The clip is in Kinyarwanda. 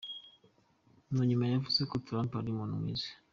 Mu nyuma yavuze ko Trump ari " umuntu mwiza".